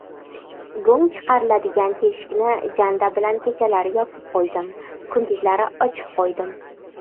Go‘ng chiqariladigan teshikni janda bilan kechalari yopib qo‘ydim, kunduzlari ochib qo‘ydim.